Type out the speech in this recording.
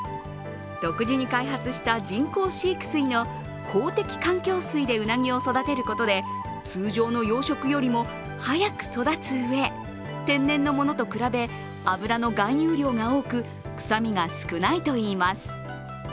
独自に開発した人工飼育水の好適環境水でうなぎを育てることで通常の養殖よりも早く育つうえ、天然のものと比べ脂の含有量が多く臭みが少ないといいます。